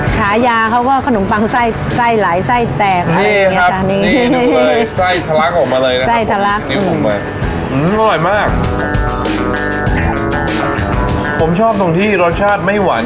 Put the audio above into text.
ขายาเขาก็ขนมปังไส้ไส้หลายไส้แตกอะไรอย่างเงี้ยค่ะนี่ครับ